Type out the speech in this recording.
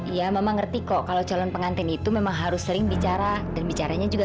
ya memang ngerti kok kalau calon pengantin itu memang harus sering bicara dan bicaranya juga